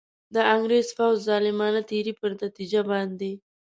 د انګرېز پوځ ظالمانه تېري پر نتیجه باندي.